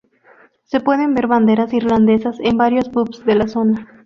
Se pueden ver banderas irlandesas en varios pubs de la zona.